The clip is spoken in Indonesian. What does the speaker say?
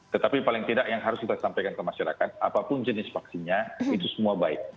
tetapi paling tidak yang harus kita sampaikan ke masyarakat apapun jenis vaksinnya itu semua baik